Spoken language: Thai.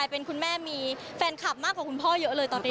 เป็นคุณแม่มีแฟนคลับมากกว่าคุณพ่อเยอะเลยตอนนี้